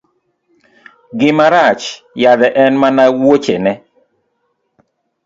Gima rach yadhe en mana wuochene.